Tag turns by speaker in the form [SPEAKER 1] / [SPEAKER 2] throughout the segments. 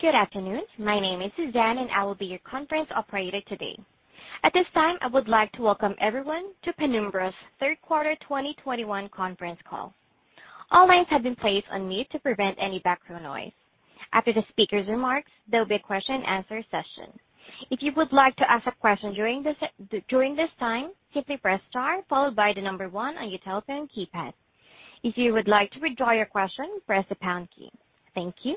[SPEAKER 1] Good afternoon. My name is Suzanne, and I will be your conference operator today. At this time, I would like to welcome everyone to Penumbra's third quarter 2021 conference call. All lines have been placed on mute to prevent any background noise. After the speaker's remarks, there'll be a question-and-answer session. If you would like to ask a question during this time, simply press star followed by the number one on your telephone keypad. If you would like to withdraw your question, press the pound key. Thank you.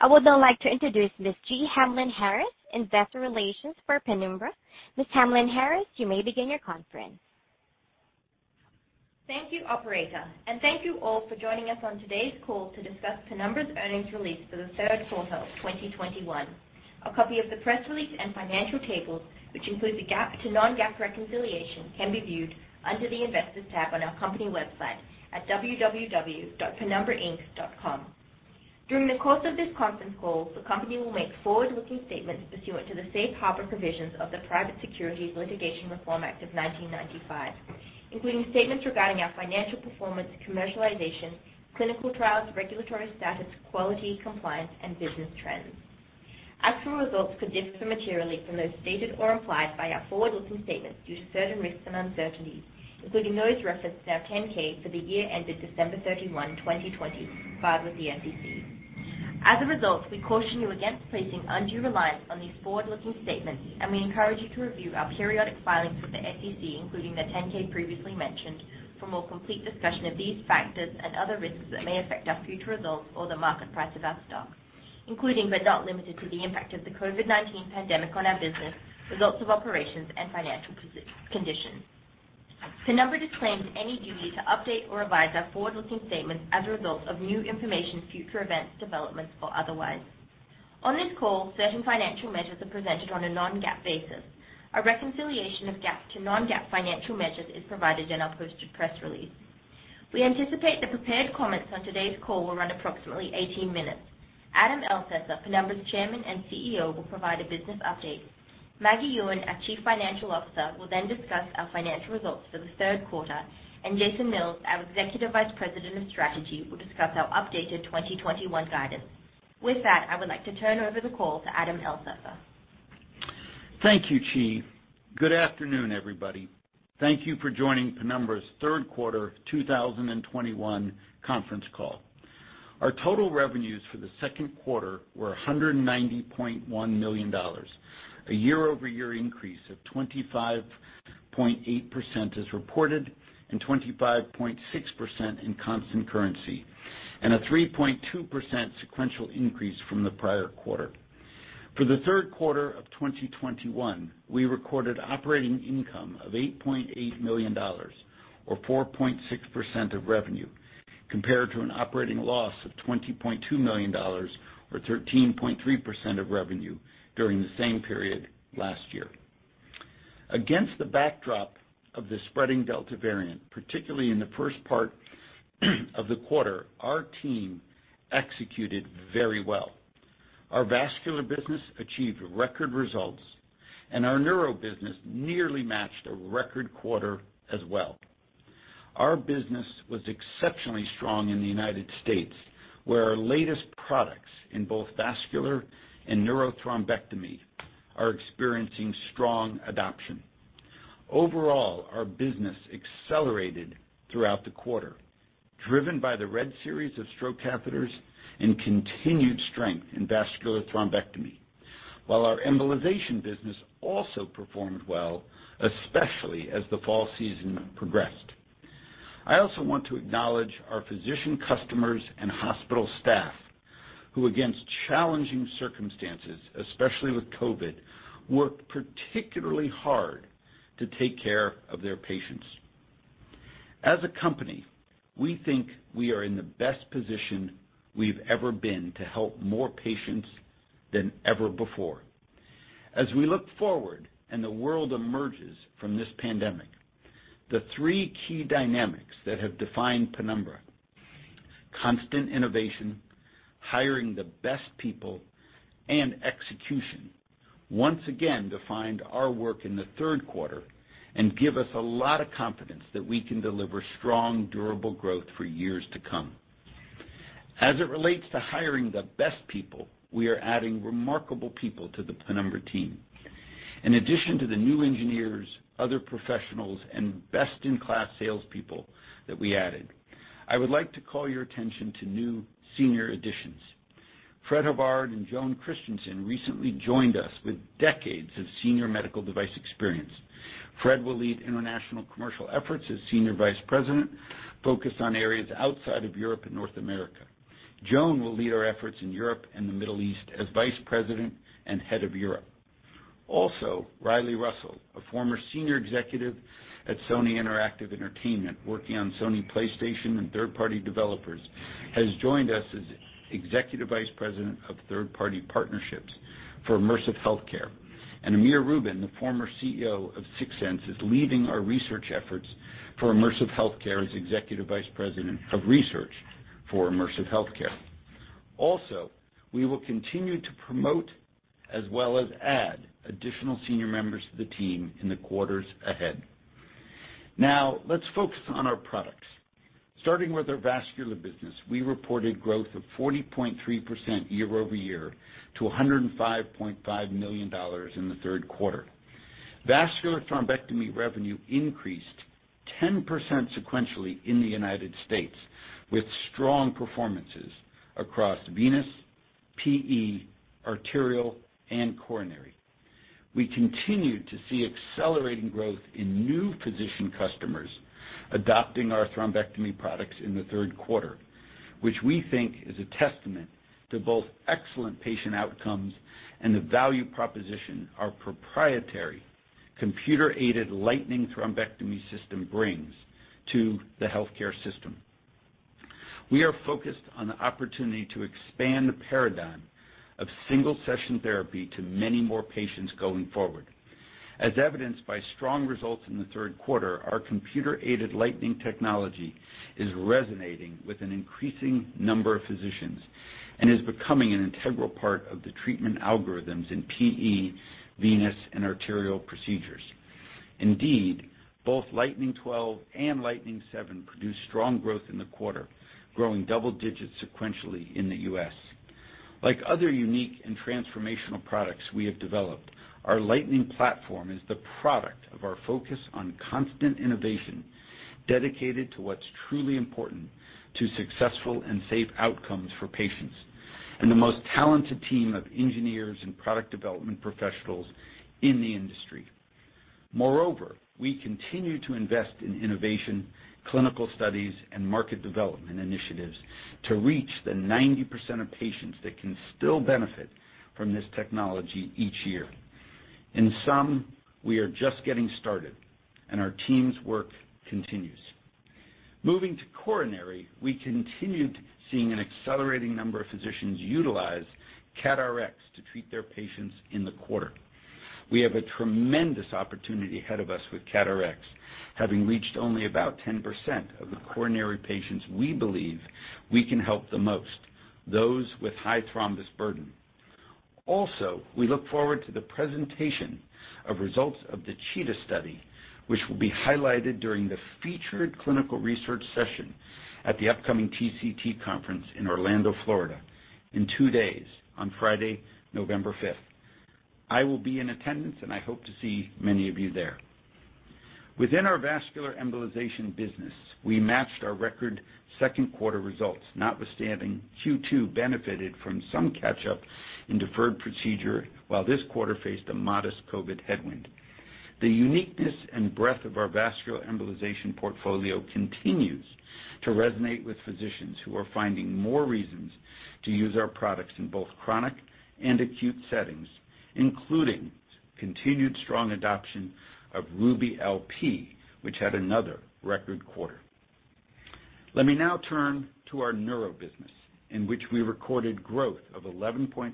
[SPEAKER 1] I would now like to introduce Ms. Jee Hamlyn-Harris, investor relations for Penumbra. Ms. Hamlyn-Harris, you may begin your conference.
[SPEAKER 2] Thank you, operator, and thank you all for joining us on today's call to discuss Penumbra's earnings release for the third quarter of 2021. A copy of the press release and financial tables, which includes the GAAP to non-GAAP reconciliation, can be viewed under the Investors tab on our company website at www.penumbrainc.com. During the course of this conference call, the company will make forward-looking statements pursuant to the safe harbor provisions of the Private Securities Litigation Reform Act of 1995, including statements regarding our financial performance, commercialization, clinical trials, regulatory status, quality, compliance, and business trends. Actual results could differ materially from those stated or implied by our forward-looking statements due to certain risks and uncertainties, including those referenced in our 10-K for the year ended December 31, 2020, filed with the SEC. As a result, we caution you against placing undue reliance on these forward-looking statements, and we encourage you to review our periodic filings with the SEC, including the 10-K previously mentioned, for more complete discussion of these factors and other risks that may affect our future results or the market price of our stock, including but not limited to the impact of the COVID-19 pandemic on our business, results of operations, and financial conditions. Penumbra disclaims any duty to update or revise our forward-looking statements as a result of new information, future events, developments, or otherwise. On this call, certain financial measures are presented on a non-GAAP basis. A reconciliation of GAAP to non-GAAP financial measures is provided in our posted press release. We anticipate the prepared comments on today's call will run approximately 18 minutes. Adam Elsesser, Penumbra's Chairman and CEO, will provide a business update. Maggie Yuen, our Chief Financial Officer, will then discuss our financial results for the third quarter. Jason Mills, our Executive Vice President of Strategy, will discuss our updated 2021 guidance. With that, I would like to turn over the call to Adam Elsesser.
[SPEAKER 3] Thank you, Jee. Good afternoon, everybody. Thank you for joining Penumbra's third quarter 2021 conference call. Our total revenues for the third quarter were $190.1 million, a year-over-year increase of 25.8% as reported, and 25.6% in constant currency, and a 3.2% sequential increase from the prior quarter. For the third quarter of 2021, we recorded operating income of $8.8 million or 4.6% of revenue, compared to an operating loss of $20.2 million or 13.3% of revenue during the same period last year. Against the backdrop of the spreading Delta variant, particularly in the first part of the quarter, our team executed very well. Our vascular business achieved record results, and our neuro business nearly matched a record quarter as well. Our business was exceptionally strong in the United States, where our latest products in both vascular and neurothrombectomy are experiencing strong adoption. Overall, our business accelerated throughout the quarter, driven by the RED series of stroke catheters and continued strength in vascular thrombectomy, while our embolization business also performed well, especially as the fall season progressed. I also want to acknowledge our physician customers and hospital staff who, against challenging circumstances, especially with COVID, worked particularly hard to take care of their patients. As a company, we think we are in the best position we've ever been to help more patients than ever before. As we look forward and the world emerges from this pandemic, the three key dynamics that have defined Penumbra, constant innovation, hiring the best people, and execution, once again defined our work in the third quarter and give us a lot of confidence that we can deliver strong, durable growth for years to come. As it relates to hiring the best people, we are adding remarkable people to the Penumbra team. In addition to the new engineers, other professionals, and best-in-class salespeople that we added, I would like to call your attention to new senior additions. Fred Havard and Joan Kristensen recently joined us with decades of senior medical device experience. Fred will lead international commercial efforts as Senior Vice President, focused on areas outside of Europe and North America. Joan will lead our efforts in Europe and the Middle East as Vice President and Head of Europe. Also, Riley Russell, a former senior executive at Sony Interactive Entertainment, working on Sony PlayStation and third-party developers, has joined us as Executive Vice President of Third Party Partnerships for Immersive Healthcare. Amir Rubin, the former CEO of Sixense, is leading our research efforts for immersive healthcare as Executive Vice President of Research for Immersive Healthcare. Also, we will continue to promote as well as add additional senior members to the team in the quarters ahead. Now let's focus on our products. Starting with our vascular business, we reported growth of 40.3% year-over-year to $105.5 million in the third quarter. Vascular thrombectomy revenue increased 10% sequentially in the United States, with strong performances across venous, PE, arterial, and coronary. We continue to see accelerating growth in new physician customers adopting our thrombectomy products in the third quarter, which we think is a testament to both excellent patient outcomes and the value proposition our proprietary computer-aided Lightning Thrombectomy System brings to the healthcare system. We are focused on the opportunity to expand the paradigm of single-session therapy to many more patients going forward. As evidenced by strong results in the third quarter, our computer-aided Lightning technology is resonating with an increasing number of physicians and is becoming an integral part of the treatment algorithms in PE, venous, and arterial procedures. Indeed, both Lightning 12 and Lightning 7 produced strong growth in the quarter, growing double digits sequentially in the U.S. Like other unique and transformational products we have developed, our Lightning platform is the product of our focus on constant innovation, dedicated to what's truly important to successful and safe outcomes for patients, and the most talented team of engineers and product development professionals in the industry. Moreover, we continue to invest in innovation, clinical studies, and market development initiatives to reach the 90% of patients that can still benefit from this technology each year. In sum, we are just getting started, and our team's work continues. Moving to coronary, we continued seeing an accelerating number of physicians utilize CAT RX to treat their patients in the quarter. We have a tremendous opportunity ahead of us with CAT RX, having reached only about 10% of the coronary patients we believe we can help the most, those with high thrombus burden. Also, we look forward to the presentation of results of the CHEETAH study, which will be highlighted during the featured clinical research session at the upcoming TCT conference in Orlando, Florida, in two days, on Friday, November 5th. I will be in attendance, and I hope to see many of you there. Within our vascular embolization business, we matched our record second quarter results, notwithstanding Q2 benefited from some catch-up in deferred procedure while this quarter faced a modest COVID headwind. The uniqueness and breadth of our vascular embolization portfolio continues to resonate with physicians who are finding more reasons to use our products in both chronic and acute settings, including continued strong adoption of Ruby LP, which had another record quarter. Let me now turn to our neuro business, in which we recorded growth of 11.5%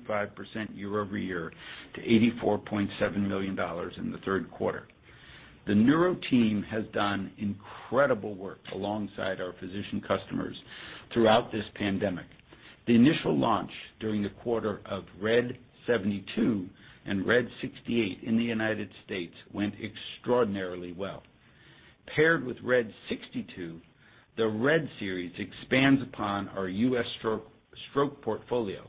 [SPEAKER 3] year-over-year to $84.7 million in the third quarter. The neuro team has done incredible work alongside our physician customers throughout this pandemic. The initial launch during the quarter of RED 72 and RED 68 in the United States went extraordinarily well. Paired with RED 62, the RED series expands upon our U.S. stroke portfolio,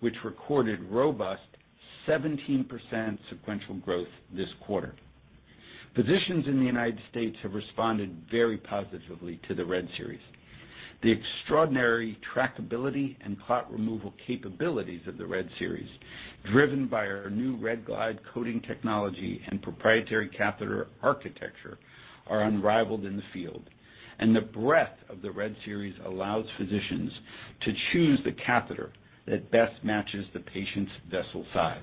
[SPEAKER 3] which recorded robust 17% sequential growth this quarter. Physicians in the United States have responded very positively to the RED series. The extraordinary trackability and clot removal capabilities of the RED series, driven by our new REDglide coating technology and proprietary catheter architecture, are unrivaled in the field. The breadth of the RED series allows physicians to choose the catheter that best matches the patient's vessel size.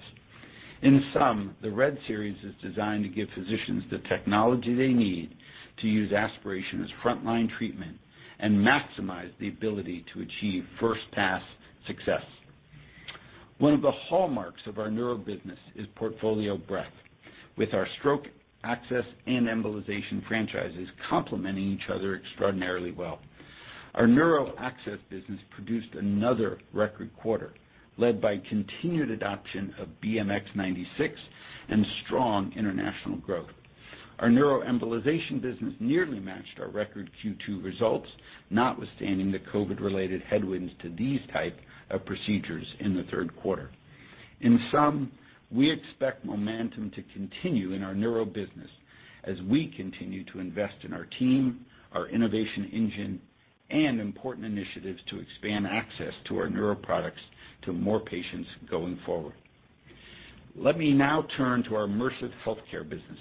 [SPEAKER 3] In sum, the RED series is designed to give physicians the technology they need to use aspiration as frontline treatment and maximize the ability to achieve first pass success. One of the hallmarks of our neuro business is portfolio breadth, with our stroke, access, and embolization franchises complementing each other extraordinarily well. Our neuro access business produced another record quarter, led by continued adoption of BMX96 and strong international growth. Our neuro embolization business nearly matched our record Q2 results, notwithstanding the COVID-related headwinds to these types of procedures in the third quarter. In sum, we expect momentum to continue in our neuro business as we continue to invest in our team, our innovation engine, and important initiatives to expand access to our neuro products to more patients going forward. Let me now turn to our immersive healthcare business.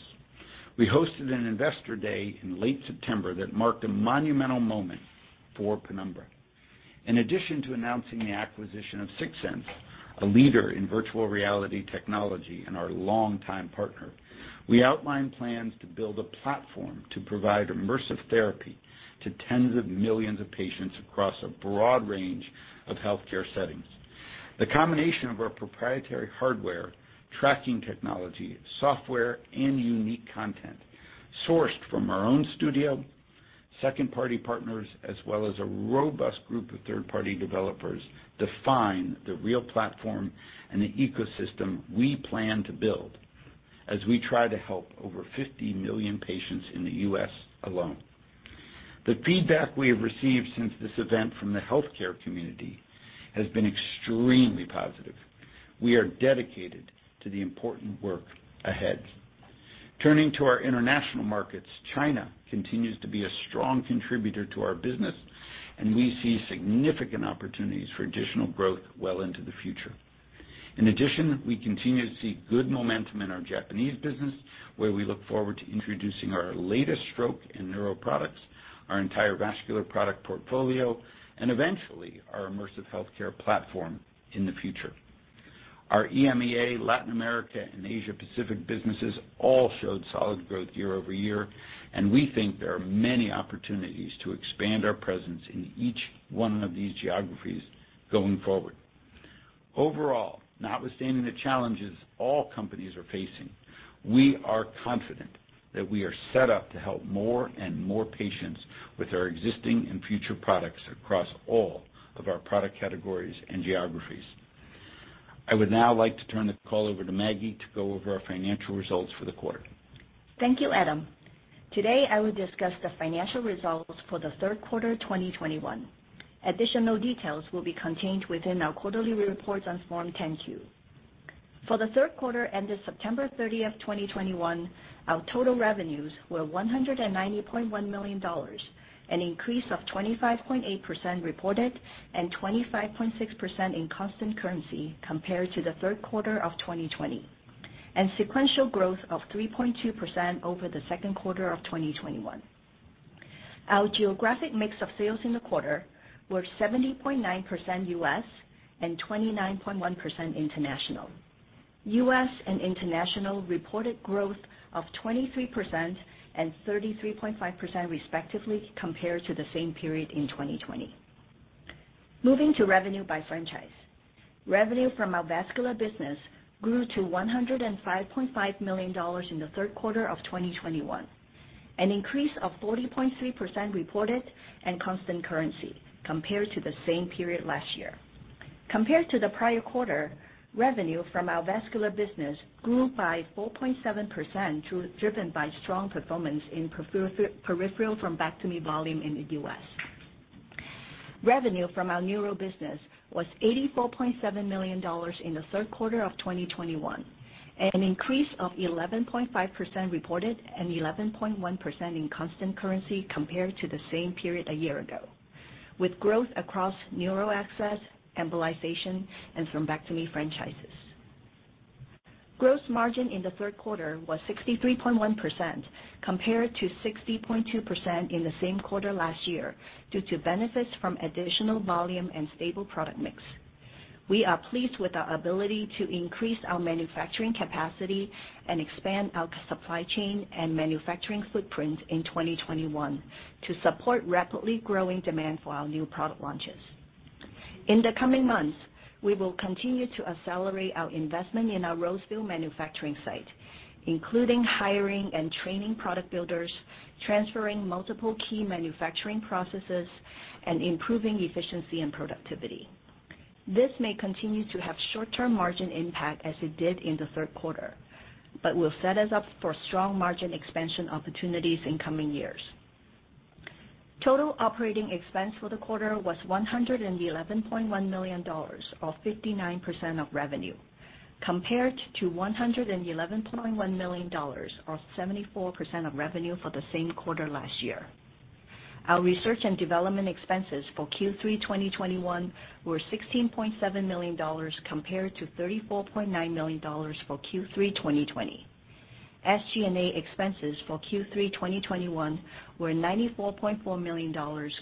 [SPEAKER 3] We hosted an Investor Day in late September that marked a monumental moment for Penumbra. In addition to announcing the acquisition of Sixense, a leader in virtual reality technology and our longtime partner, we outlined plans to build a platform to provide immersive therapy to tens of millions of patients across a broad range of healthcare settings. The combination of our proprietary hardware, tracking technology, software, and unique content sourced from our own studio, second party partners, as well as a robust group of third-party developers defines the REAL platform and the ecosystem we plan to build as we try to help over 50 million patients in the U.S. alone. The feedback we have received since this event from the healthcare community has been extremely positive. We are dedicated to the important work ahead. Turning to our international markets, China continues to be a strong contributor to our business, and we see significant opportunities for additional growth well into the future. In addition, we continue to see good momentum in our Japanese business, where we look forward to introducing our latest stroke and neuro products, our entire vascular product portfolio, and eventually our immersive healthcare platform in the future. Our EMEA, Latin America, and Asia Pacific businesses all showed solid growth year-over-year, and we think there are many opportunities to expand our presence in each one of these geographies going forward. Overall, notwithstanding the challenges all companies are facing, we are confident that we are set up to help more and more patients with our existing and future products across all of our product categories and geographies. I would now like to turn the call over to Maggie to go over our financial results for the quarter.
[SPEAKER 4] Thank you, Adam. Today, I will discuss the financial results for the third quarter, 2021. Additional details will be contained within our quarterly reports on Form 10-Q. For the third quarter ended September 30th, 2021, our total revenues were $190.1 million, an increase of 25.8% reported and 25.6% in constant currency compared to the third quarter of 2020, and sequential growth of 3.2% over the second quarter of 2021. Our geographic mix of sales in the quarter were 70.9% U.S. and 29.1% international. U.S. and international reported growth of 23% and 33.5% respectively compared to the same period in 2020. Moving to revenue by franchise. Revenue from our vascular business grew to $105.5 million in the third quarter of 2021, an increase of 40.3% reported and constant currency compared to the same period last year. Compared to the prior quarter, revenue from our vascular business grew by 4.7%, driven by strong performance in peripheral thrombectomy volume in the U.S. Revenue from our neuro business was $84.7 million in the third quarter of 2021, an increase of 11.5% reported and 11.1% in constant currency compared to the same period a year ago, with growth across neuro access, embolization, and thrombectomy franchises. Gross margin in the third quarter was 63.1% compared to 60.2% in the same quarter last year due to benefits from additional volume and stable product mix. We are pleased with our ability to increase our manufacturing capacity and expand our supply chain and manufacturing footprint in 2021 to support rapidly growing demand for our new product launches. In the coming months, we will continue to accelerate our investment in our Roseville manufacturing site, including hiring and training product builders, transferring multiple key manufacturing processes, and improving efficiency and productivity. This may continue to have short-term margin impact as it did in the third quarter, but will set us up for strong margin expansion opportunities in coming years. Total operating expense for the quarter was $111.1 million, or 59% of revenue, compared to $111.1 million, or 74% of revenue for the same quarter last year. Our research and development expenses for Q3 2021 were $16.7 million compared to $34.9 million for Q3 2020. SG&A expenses for Q3 2021 were $94.4 million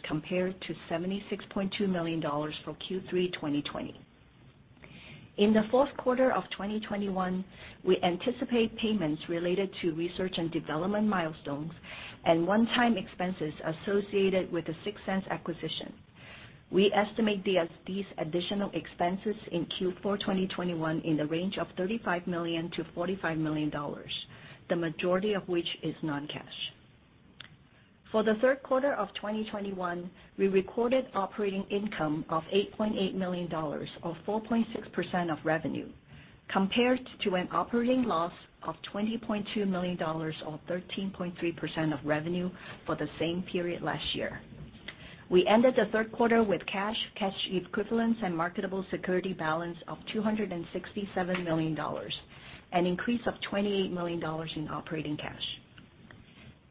[SPEAKER 4] compared to $76.2 million for Q3 2020. In the fourth quarter of 2021, we anticipate payments related to research and development milestones and one-time expenses associated with the Sixense acquisition. We estimate these additional expenses in Q4 2021 in the range of $35 million-$45 million, the majority of which is non-cash. For the third quarter of 2021, we recorded operating income of $8.8 million or 4.6% of revenue compared to an operating loss of $20.2 million or 13.3% of revenue for the same period last year. We ended the third quarter with cash, cash equivalents, and marketable security balance of $267 million, an increase of $28 million in operating cash.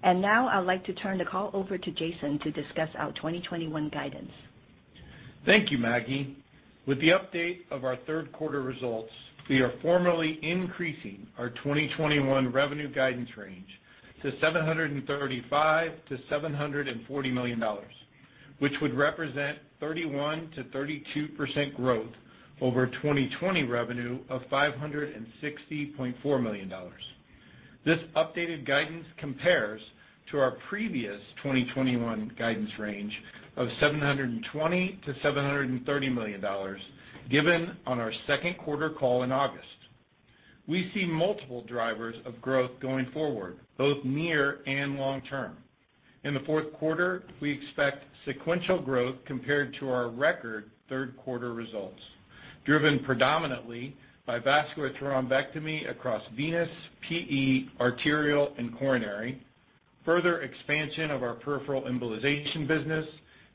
[SPEAKER 4] Now I'd like to turn the call over to Jason to discuss our 2021 guidance.
[SPEAKER 5] Thank you, Maggie. With the update of our third quarter results, we are formally increasing our 2021 revenue guidance range to $735 million-$740 million, which would represent 31%-32% growth over 2020 revenue of $560.4 million. This updated guidance compares to our previous 2021 guidance range of $720 million-$730 million given on our second quarter call in August We see multiple drivers of growth going forward, both near and long term. In the fourth quarter, we expect sequential growth compared to our record third quarter results, driven predominantly by vascular thrombectomy across venous, PE, arterial, and coronary, further expansion of our peripheral embolization business,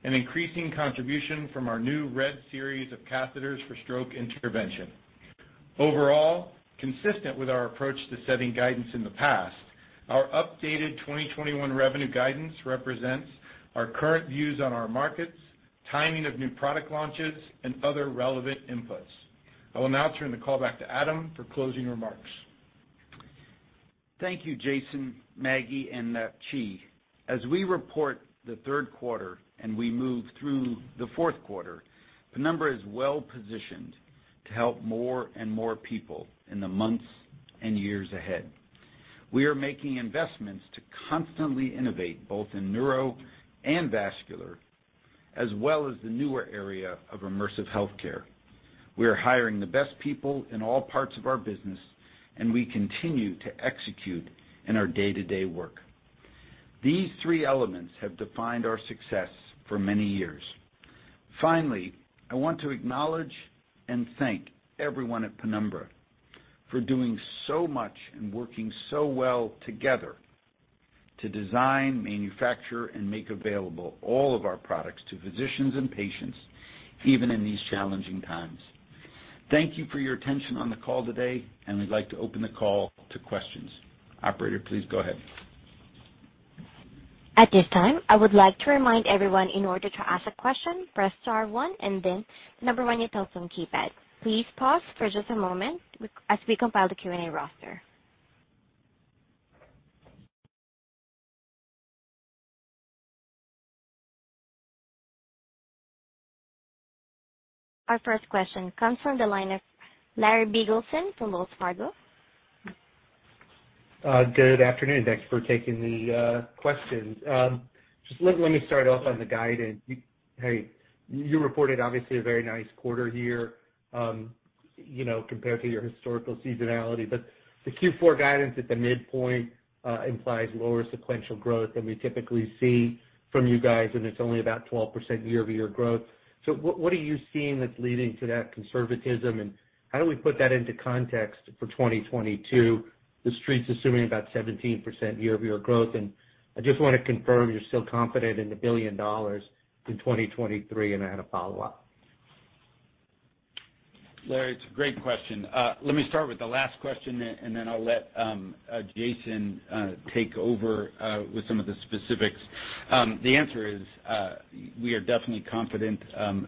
[SPEAKER 5] and increasing contribution from our new RED series of catheters for stroke intervention. Overall, consistent with our approach to setting guidance in the past, our updated 2021 revenue guidance represents our current views on our markets, timing of new product launches, and other relevant inputs. I will now turn the call back to Adam for closing remarks.
[SPEAKER 3] Thank you, Jason, Maggie, and Jee. As we report the third quarter and we move through the fourth quarter, Penumbra is well-positioned to help more and more people in the months and years ahead. We are making investments to constantly innovate both in neuro and vascular, as well as the newer area of immersive healthcare. We are hiring the best people in all parts of our business, and we continue to execute in our day-to-day work. These three elements have defined our success for many years. Finally, I want to acknowledge and thank everyone at Penumbra for doing so much and working so well together to design, manufacture, and make available all of our products to physicians and patients, even in these challenging times. Thank you for your attention on the call today, and we'd like to open the call to questions. Operator, please go ahead.
[SPEAKER 1] At this time, I would like to remind everyone in order to ask a question, press star one and then number one on your telephone keypad. Please pause for just a moment as we compile the Q&A roster. Our first question comes from the line of Larry Biegelsen from Wells Fargo.
[SPEAKER 6] Good afternoon. Thanks for taking the questions. Just let me start off on the guidance. You reported obviously a very nice quarter here, you know, compared to your historical seasonality. The Q4 guidance at the midpoint implies lower sequential growth than we typically see from you guys, and it's only about 12% year-over-year growth. What are you seeing that's leading to that conservatism, and how do we put that into context for 2022? The Street's assuming about 17% year-over-year growth, and I just wanna confirm you're still confident in the $1 billion in 2023, and I had a follow-up.
[SPEAKER 3] Larry, it's a great question. Let me start with the last question then, and then I'll let Jason take over with some of the specifics. The answer is, we are definitely confident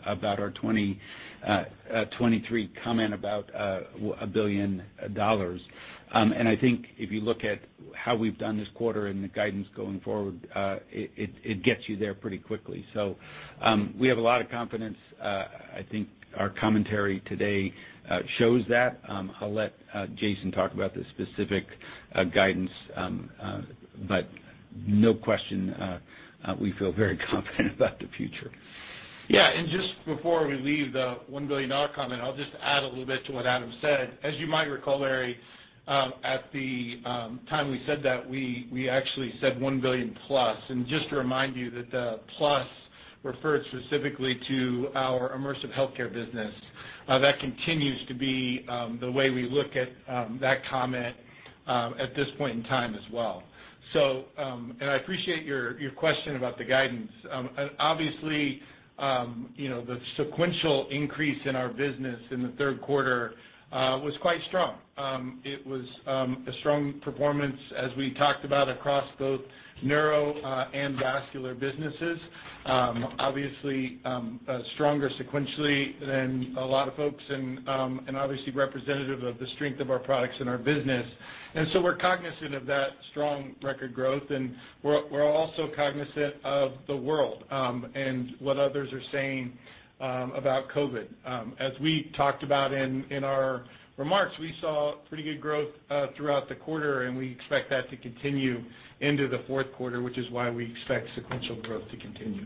[SPEAKER 3] about our 2023 comment about $1 billion. I think if you look at how we've done this quarter and the guidance going forward, it gets you there pretty quickly. We have a lot of confidence. I think our commentary today shows that. I'll let Jason talk about the specific guidance, but no question, we feel very confident about the future.
[SPEAKER 5] Yeah, just before we leave the $1 billion comment, I'll just add a little bit to what Adam said. As you might recall, Larry, at the time we said that we actually said $1 billion+. Just to remind you that the plus referred specifically to our immersive healthcare business. That continues to be the way we look at that comment at this point in time as well. I appreciate your question about the guidance. Obviously, you know, the sequential increase in our business in the third quarter was quite strong. It was a strong performance as we talked about across both neuro and vascular businesses. Obviously, stronger sequentially than a lot of folks and obviously representative of the strength of our products and our business. We're cognizant of that strong record growth, and we're also cognizant of the world and what others are saying about COVID. As we talked about in our remarks, we saw pretty good growth throughout the quarter, and we expect that to continue into the fourth quarter, which is why we expect sequential growth to continue.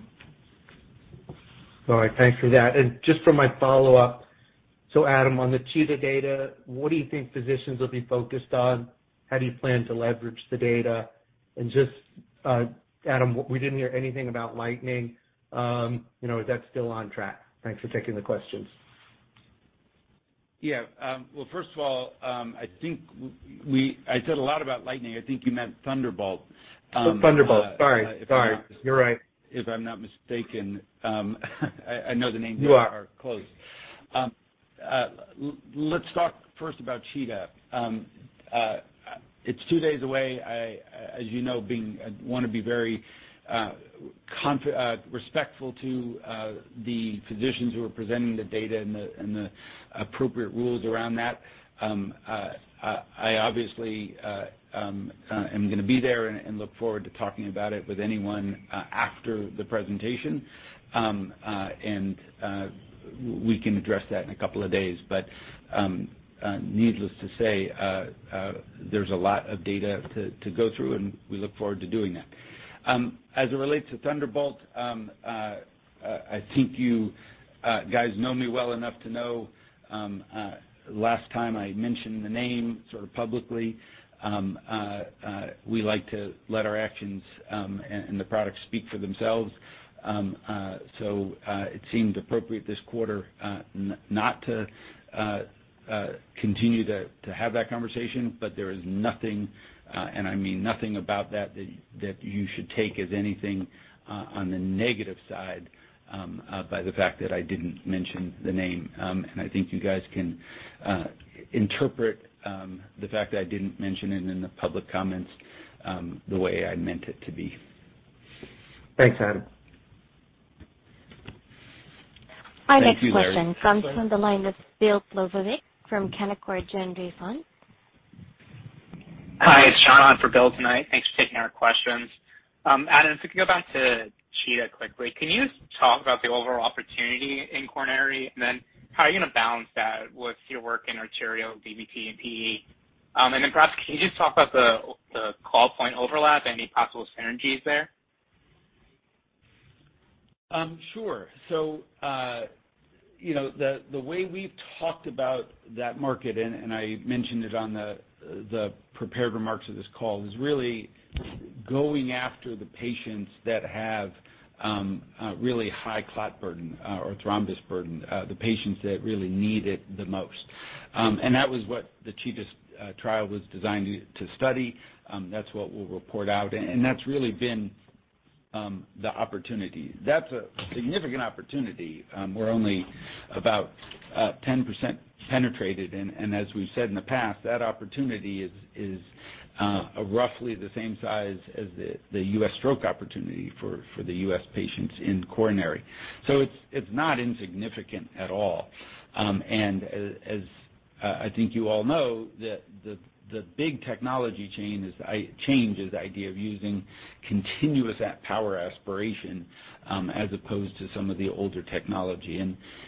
[SPEAKER 6] All right. Thanks for that. Just for my follow-up, so Adam, on the CHEETAH data, what do you think physicians will be focused on? How do you plan to leverage the data? Just Adam, we didn't hear anything about Lightning. You know, is that still on track? Thanks for taking the questions.
[SPEAKER 3] Yeah. Well, first of all, I think I said a lot about Lightning. I think you meant Thunderbolt.
[SPEAKER 6] Thunderbolt. Sorry. You're right.
[SPEAKER 3] If I'm not mistaken. I know the names are close.
[SPEAKER 6] You are.
[SPEAKER 3] Let's talk first about CHEETAH. It's two days away. As you know, I want to be very respectful to the physicians who are presenting the data and the appropriate rules around that. I obviously am gonna be there and look forward to talking about it with anyone after the presentation. We can address that in a couple of days. Needless to say, there's a lot of data to go through, and we look forward to doing that. As it relates to Thunderbolt, I think you guys know me well enough to know last time I mentioned the name sort of publicly, we like to let our actions and the products speak for themselves. It seemed appropriate this quarter not to continue to have that conversation, but there is nothing, and I mean nothing, about that you should take as anything on the negative side by the fact that I didn't mention the name. I think you guys can interpret the fact that I didn't mention it in the public comments the way I meant it to be.
[SPEAKER 6] Thanks, Adam.
[SPEAKER 3] Thank you, Larry.
[SPEAKER 1] Our next question comes from the line of Bill Plovanic from Canaccord Genuity Fund.
[SPEAKER 7] Hi, it's John on for Bill tonight. Thanks for taking our questions. Adam, if we could go back to CHEETAH quickly, can you talk about the overall opportunity in coronary and then how are you gonna balance that with your work in arterial DVT and PE? And then perhaps can you just talk about the call point overlap, any possible synergies there?
[SPEAKER 3] Sure. You know, the way we've talked about that market, and I mentioned it on the prepared remarks of this call, is really going after the patients that have a really high clot burden or thrombus burden, the patients that really need it the most. That was what the CHEETAH trial was designed to study. That's what we'll report out. That's really been the opportunity. That's a significant opportunity. We're only about 10% penetrated and as we've said in the past, that opportunity is roughly the same size as the U.S. stroke opportunity for the U.S. patients in coronary. It's not insignificant at all. I think you all know, the big technology change is the idea of using continuous power aspiration as opposed to some of the older technology.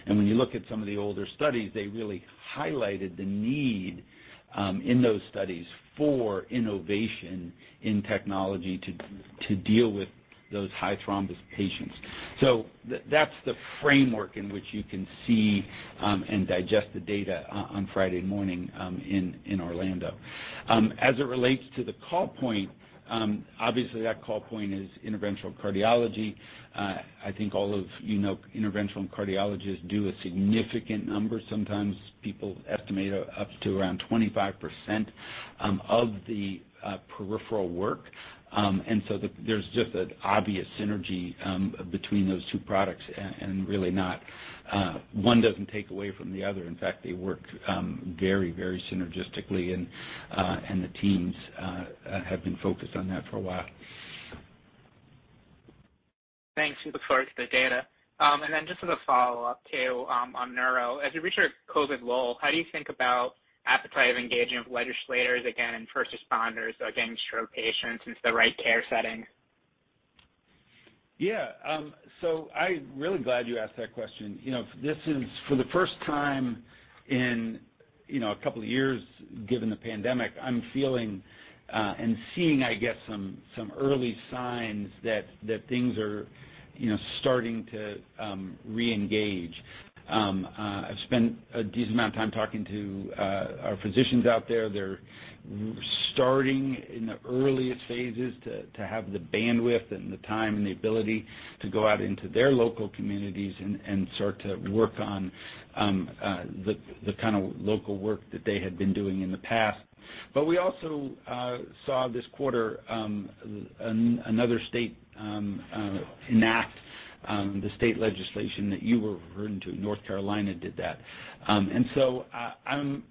[SPEAKER 3] When you look at some of the older studies, they really highlighted the need in those studies for innovation in technology to deal with those high thrombus patients. That's the framework in which you can see and digest the data on Friday morning in Orlando. As it relates to the call point, obviously that call point is interventional cardiology. I think all of you know interventional cardiologists do a significant number, sometimes people estimate up to around 25% of the peripheral work. There's just an obvious synergy between those two products and really not, one doesn't take away from the other. In fact, they work very, very synergistically and the teams have been focused on that for a while.
[SPEAKER 7] Thanks. We look forward to the data. Just as a follow-up too, on neuro, as you reach your COVID lull, how do you think about the appetite for engaging with legislators again and first responders and stroke patients in the right care setting?
[SPEAKER 3] Yeah. I'm really glad you asked that question. You know, this is for the first time in, you know, a couple of years given the pandemic, I'm feeling and seeing, I guess, some early signs that things are, you know, starting to reengage. I've spent a decent amount of time talking to our physicians out there. They're starting in the earliest phases to have the bandwidth and the time and the ability to go out into their local communities and start to work on the kind of local work that they had been doing in the past. We also saw this quarter another state enact the state legislation that you were referring to. North Carolina did that. I'm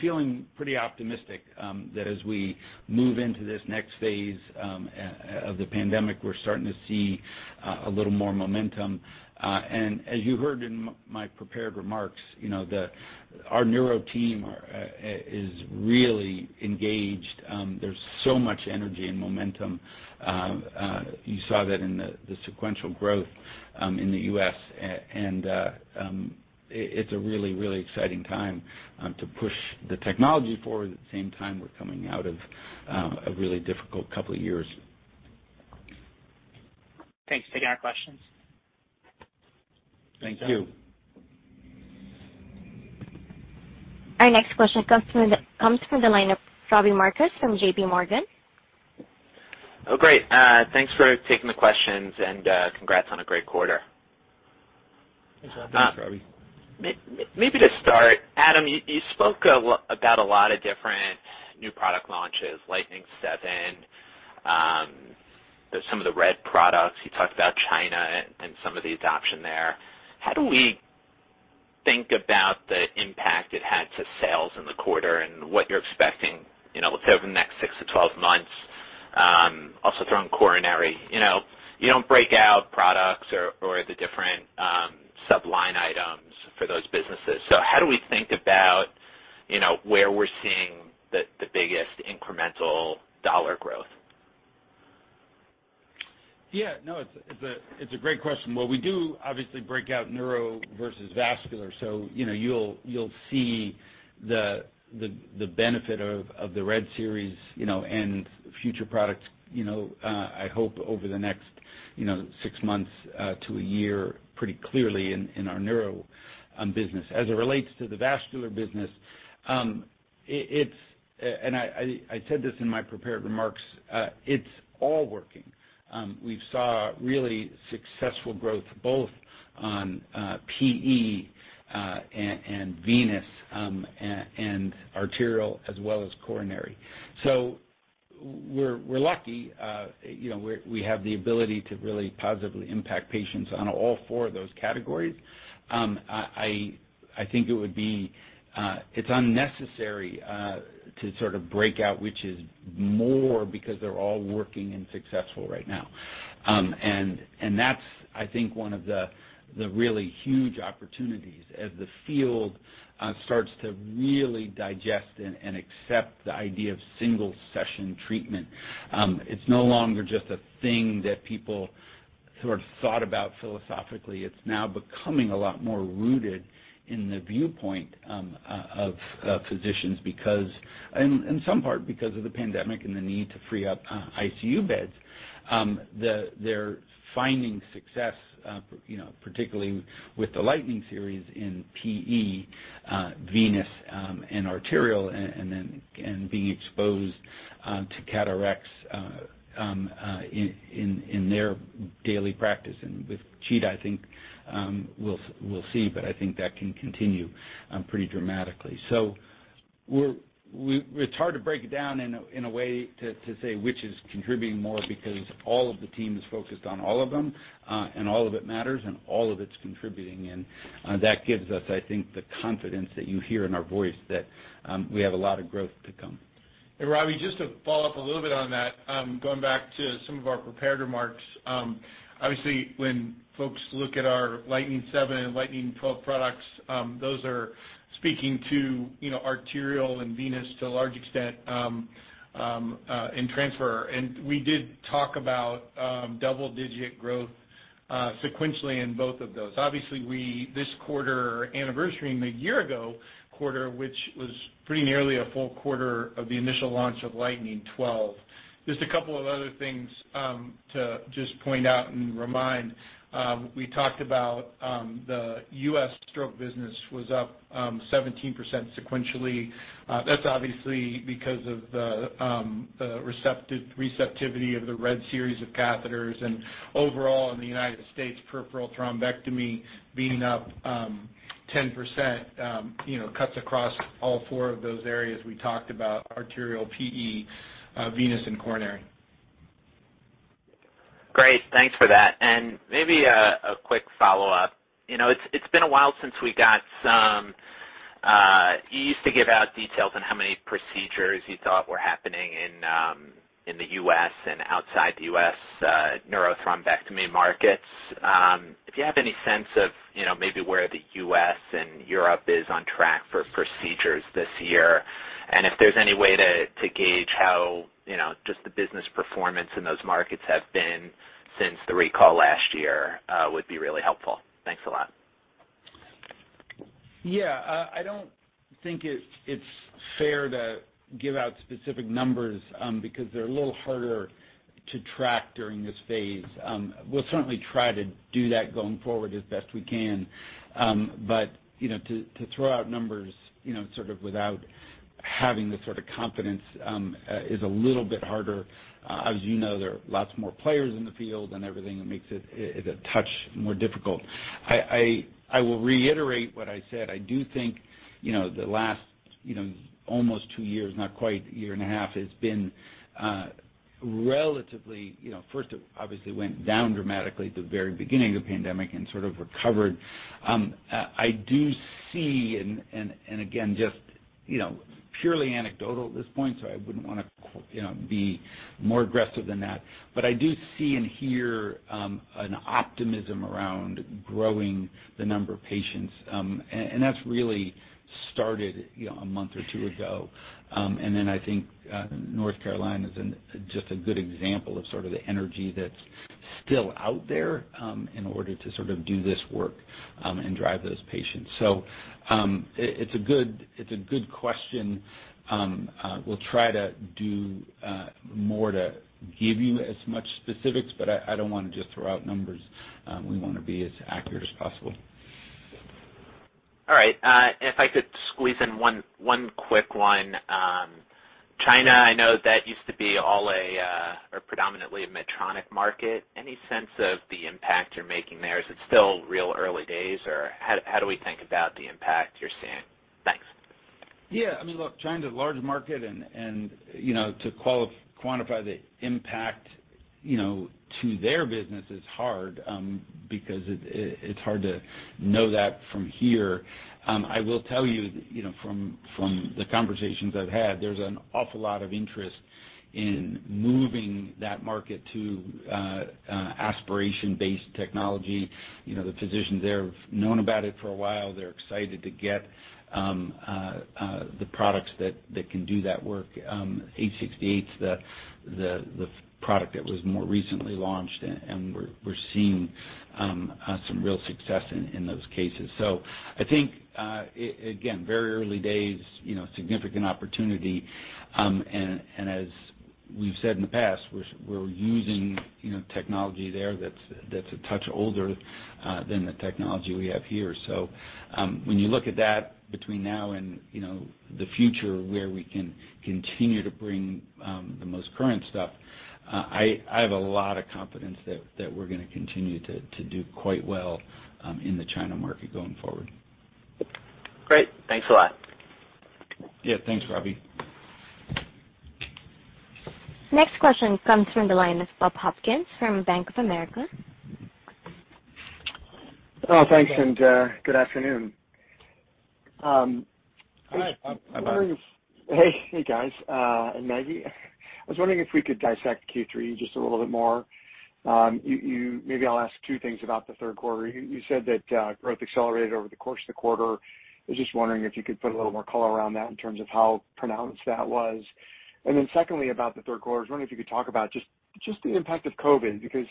[SPEAKER 3] feeling pretty optimistic that as we move into this next phase of the pandemic, we're starting to see a little more momentum. As you heard in my prepared remarks, you know, our neuro team is really engaged. There's so much energy and momentum. You saw that in the sequential growth in the U.S. and it's a really exciting time to push the technology forward. At the same time, we're coming out of a really difficult couple of years.
[SPEAKER 7] Thanks for taking our questions.
[SPEAKER 3] Thank you.
[SPEAKER 1] Our next question comes from the line of Robbie Marcus from JPMorgan.
[SPEAKER 8] Oh, great. Thanks for taking the questions and congrats on a great quarter.
[SPEAKER 3] Thanks for that, Robbie.
[SPEAKER 8] Maybe to start, Adam, you spoke about a lot of different new product launches, Lightning 7, some of the RED products. You talked about China and some of the adoption there. How do we think about the impact it had to sales in the quarter and what you're expecting, you know, let's say over the next six to 12 months, also throw in coronary. You know, you don't break out products or the different sub-line items for those businesses. How do we think about, you know, where we're seeing the biggest incremental dollar growth?
[SPEAKER 3] It's a great question. Well, we do obviously break out neuro versus vascular, so, you know, you'll see the benefit of the RED series, you know, and future products, you know, I hope over the next six months to a year, pretty clearly in our neuro business. As it relates to the vascular business, and I said this in my prepared remarks, it's all working. We saw really successful growth both on PE and venous and arterial as well as coronary. We're lucky, you know, we have the ability to really positively impact patients on all four of those categories. I think it's unnecessary to sort of break out which is more because they're all working and successful right now. That's, I think, one of the really huge opportunities as the field starts to really digest and accept the idea of single session treatment. It's no longer just a thing that people sort of thought about philosophically. It's now becoming a lot more rooted in the viewpoint of physicians because, in some part, because of the pandemic and the need to free up ICU beds. They're finding success, you know, particularly with the Lightning series in PE, venous, and arterial, and being exposed to CAT RX in their daily practice. With CHEETAH, I think we'll see, but I think that can continue pretty dramatically. It's hard to break it down in a way to say which is contributing more because all of the team is focused on all of them, and all of it matters and all of it's contributing. That gives us, I think, the confidence that you hear in our voice that we have a lot of growth to come.
[SPEAKER 5] Hey, Robbie, just to follow up a little bit on that, going back to some of our prepared remarks. Obviously, when folks look at our Lightning 7 and Lightning 12 products, those are speaking to, you know, arterial and venous to a large extent, in transfer. We did talk about double-digit growth sequentially in both of those. Obviously, this quarter anniversary in the year-ago quarter, which was pretty nearly a full quarter of the initial launch of Lightning 12. Just a couple of other things to just point out and remind. We talked about the U.S. stroke business was up 17% sequentially. That's obviously because of the receptivity of the RED series of catheters. Overall, in the United States, peripheral thrombectomy being up 10%, you know, cuts across all four of those areas we talked about, arterial, PE, venous, and coronary.
[SPEAKER 8] Great. Thanks for that. Maybe a quick follow-up. You know, it's been a while since we got some, you used to give out details on how many procedures you thought were happening in the U.S. and outside the U.S., neurothrombectomy markets. If you have any sense of, you know, maybe where the U.S. and Europe is on track for procedures this year, and if there's any way to gauge how, you know, just the business performance in those markets have been since the recall last year, would be really helpful. Thanks a lot.
[SPEAKER 3] Yeah, I don't think it's fair to give out specific numbers, because they're a little harder to track during this phase. We'll certainly try to do that going forward as best we can. You know, to throw out numbers, you know, sort of without having the sort of confidence is a little bit harder. As you know, there are lots more players in the field and everything that makes it a touch more difficult. I will reiterate what I said. I do think, you know, the last, you know, almost two years, not quite a year and a half, has been relatively, you know, first, it obviously went down dramatically at the very beginning of the pandemic and sort of recovered. I do see and again, just you know, purely anecdotal at this point, so I wouldn't want to, you know, be more aggressive than that, but I do see and hear an optimism around growing the number of patients. That's really started a month or two ago. I think North Carolina is just a good example of sort of the energy that's still out there in order to sort of do this work and drive those patients. It's a good question. We'll try to do more to give you as much specifics, but I don't want to just throw out numbers. We wanna be as accurate as possible.
[SPEAKER 8] All right. And if I could squeeze in one quick one. China, I know that used to be all or predominantly a Medtronic market. Any sense of the impact you're making there? Is it still real early days, or how do we think about the impact you're seeing? Thanks.
[SPEAKER 3] Yeah. I mean, look, China's a large market and, you know, to quantify the impact, you know, to their business is hard, because it's hard to know that from here. I will tell you, you know, from the conversations I've had, there's an awful lot of interest in moving that market to aspiration-based technology. You know, the physicians there have known about it for a while. They're excited to get the products that can do that work. ACE68's the product that was more recently launched, and we're seeing some real success in those cases. I think, again, very early days, you know, significant opportunity. As we've said in the past, we're using, you know, technology there that's a touch older than the technology we have here. When you look at that between now and, you know, the future where we can continue to bring the most current stuff, I have a lot of confidence that we're gonna continue to do quite well in the China market going forward.
[SPEAKER 8] Great. Thanks a lot.
[SPEAKER 3] Yeah, thanks, Robbie.
[SPEAKER 1] Next question comes from the line of Bob Hopkins from Bank of America.
[SPEAKER 9] Oh, thanks, and good afternoon.
[SPEAKER 3] Hi, Bob.
[SPEAKER 9] Hey. Hey, guys, and Maggie. I was wondering if we could dissect Q3 just a little bit more. Maybe I'll ask two things about the third quarter. You said that growth accelerated over the course of the quarter. I was just wondering if you could put a little more color around that in terms of how pronounced that was. Secondly, about the third quarter, I was wondering if you could talk about the impact of COVID because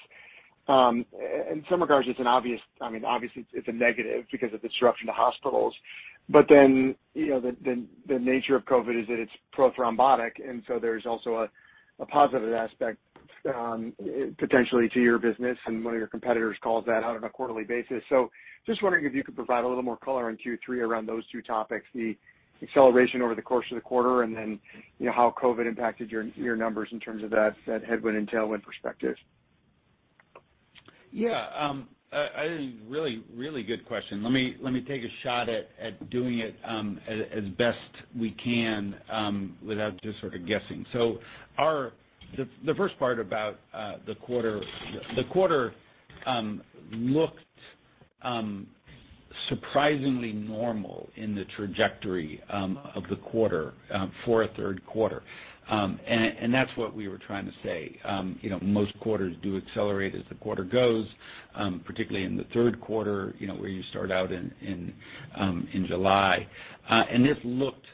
[SPEAKER 9] in some regards it's an obvious. I mean, obviously it's a negative because of disruption to hospitals. You know, the nature of COVID is that it's prothrombotic and so there's also a positive aspect potentially to your business, and one of your competitors calls that out on a quarterly basis. Just wondering if you could provide a little more color on Q3 around those two topics, the acceleration over the course of the quarter and then, you know, how COVID impacted your numbers in terms of that headwind and tailwind perspective.
[SPEAKER 3] Yeah. A really good question. Let me take a shot at doing it as best we can without just sort of guessing. The first part about the quarter, the quarter looked surprisingly normal in the trajectory of the quarter for a third quarter. That's what we were trying to say. You know, most quarters do accelerate as the quarter goes, particularly in the third quarter, you know, where you start out in July. This looked,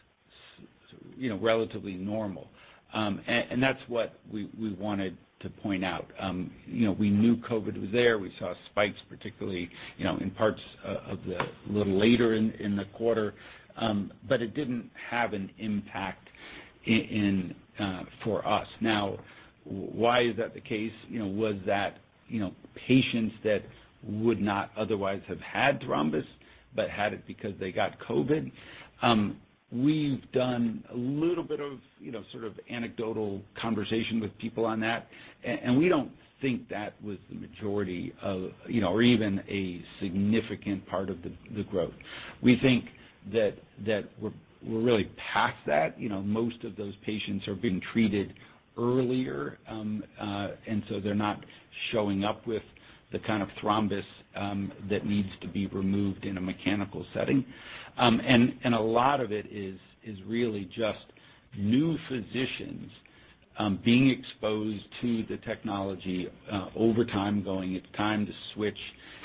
[SPEAKER 3] you know, relatively normal. That's what we wanted to point out. You know, we knew COVID was there. We saw spikes particularly, you know, in parts a little later in the quarter. It didn't have an impact in for us. Now why is that the case? You know, was that patients that would not otherwise have had thrombus but had it because they got COVID? We've done a little bit of, you know, sort of anecdotal conversation with people on that. We don't think that was the majority of, you know, or even a significant part of the growth. We think that we're really past that. You know, most of those patients are being treated earlier, and so they're not showing up with the kind of thrombus that needs to be removed in a mechanical setting. A lot of it is really just new physicians being exposed to the technology over time going, "It's time to switch,"